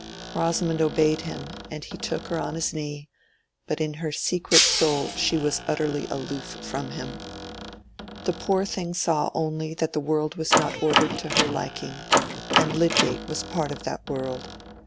Rosamond obeyed him, and he took her on his knee, but in her secret soul she was utterly aloof from him. The poor thing saw only that the world was not ordered to her liking, and Lydgate was part of that world.